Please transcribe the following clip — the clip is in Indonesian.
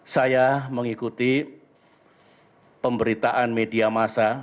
saya mengikuti pemberitaan media masa